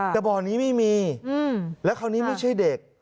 แต่บ่อนี้ไม่มีแล้วคราวนี้ไม่ใช่เด็ก